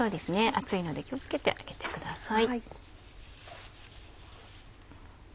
熱いので気を付けてあけてください。